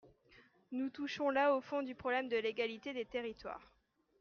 Nous touchons là au fond du problème de l’égalité des territoires.